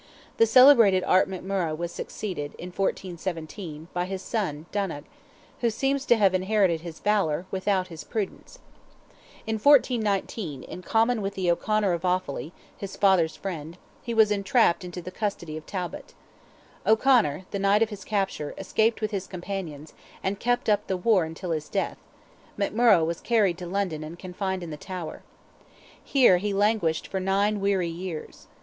The celebrated Art McMurrogh was succeeded, in 1417, by his son, Donogh, who seems to have inherited his valour, without his prudence. In 1419, in common with the O'Conor of Offally, his father's friend, he was entrapped into the custody of Talbot. O'Conor, the night of his capture, escaped with his companions, and kept up the war until his death: McMurrogh was carried to London and confined in the Tower. Here he languished for nine weary years.